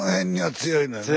強いのよ。